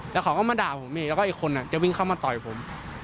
แล้วเขาก็มาด่าผมอีกแล้วก็อีกคนจะวิ่งเข้ามาต่อยผม